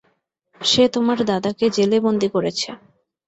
সে তোমার দাদাকে জেলে বন্দী করেছে।